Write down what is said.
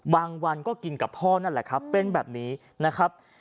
วันก็กินกับพ่อนั่นแหละครับเป็นแบบนี้นะครับ